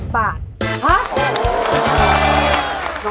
๔๕๐บาทหะโอ้โฮ